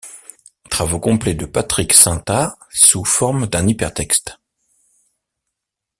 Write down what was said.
Travaux complets de Patrick Cintas sous forme d'un hypertexte.